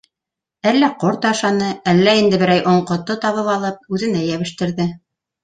Әллә ҡорт ашаны, әллә инде берәй оңҡото табып алып үҙенә йәбештерҙе.